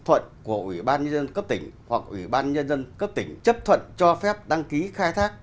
thuận của ủy ban nhân dân cấp tỉnh hoặc ủy ban nhân dân cấp tỉnh chấp thuận cho phép đăng ký khai thác